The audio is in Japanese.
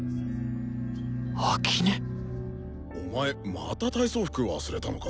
秋音⁉お前また体操服忘れたのか？